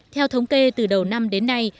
theo thống kê từ đầu năm đến nay